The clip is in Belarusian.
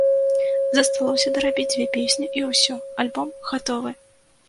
Засталося дарабіць дзве песні, і ўсё, альбом гатовы!